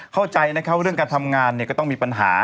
เข้าใจนะครับว่าเรื่องการทำงานก็ต้องมีปัญหา